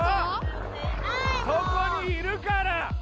そこにいるから！